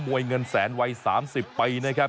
วยเงินแสนวัย๓๐ปีนะครับ